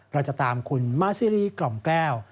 เราจะตามคุณมาซีรีสกล่อมแก้ว